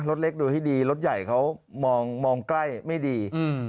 รถเล็กดูให้ดีรถใหญ่เขามองใกล้ไม่ดี